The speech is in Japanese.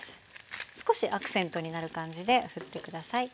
少しアクセントになる感じでふって下さい。